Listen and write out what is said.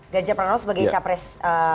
ganjar pranowo sebagai capres